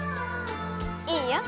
いいよ。